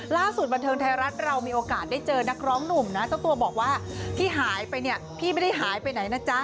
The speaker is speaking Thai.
ล่าสุดบันเทิงไทยรัฐเรามีโอกาสได้เจอนักร้องหนุ่มนะเจ้าตัวบอกว่าที่หายไปเนี่ยพี่ไม่ได้หายไปไหนนะจ๊ะ